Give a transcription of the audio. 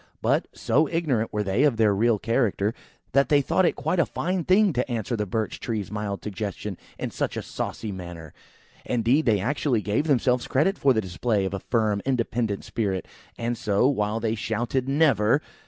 But, so ignorant were they of their real character, that they thought it quite a fine thing to answer the Birch tree's mild suggestion in such a saucy manner. Indeed, they actually gave themselves credit for the display of a firm, independent spirit and so, while they shouted "Never!"